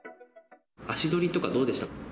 足取りとか、どうでした？